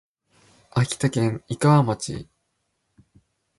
秋田県井川町